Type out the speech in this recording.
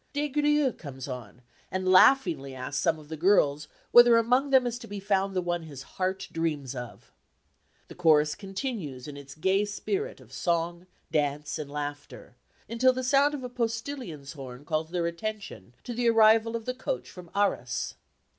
Des Grieux comes on and laughingly asks some of the girls whether among them is to be found the one his heart dreams of. The chorus continues in its gay spirit of song, dance and laughter until the sound of a postillion's horn calls their attention to the arrival of the coach from Arras.